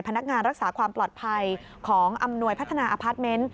พนักงานรักษาความปลอดภัยของอำนวยพัฒนาอพาร์ทเมนต์